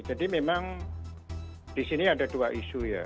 jadi memang di sini ada dua isu ya